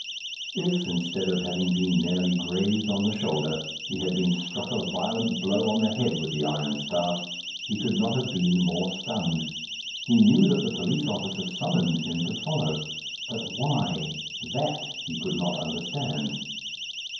If, instead of having been merely grazed on the shoulder, he had been struck a violent blow on the head with the iron staff, he could not have been more stunned. He knew that the police officer summoned him to follow; but why? That he could not understand.